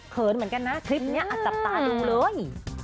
เหมือนกันนะคลิปนี้จับตาดูเลย